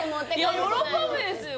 喜ぶですよ